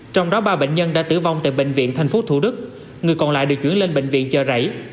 trong đó ba bệnh nhân đã tử vong tại bệnh viện tp thủ đức người còn lại được chuyển lên bệnh viện chợ rẫy